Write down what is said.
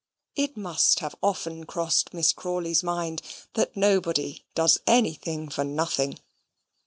It must have often crossed Miss Crawley's mind that nobody does anything for nothing.